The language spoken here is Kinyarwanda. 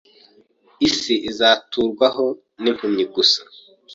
isi izaturwaho n’impumyi gusa